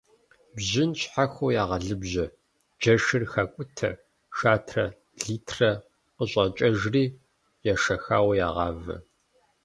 Бжьын щхьэхуэу ягъэлыбжьэ, джэшыр хакӏутэ, шатэ литрэ кӏэщӏакӏэжри ешэхауэ ягъавэ.